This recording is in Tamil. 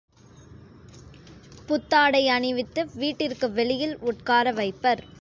புத்தாடை அணிவித்து வீட்டிற்கு வெளியில் உட்கார வைப்பர்.